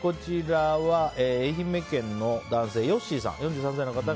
愛媛県の男性、４３歳の方。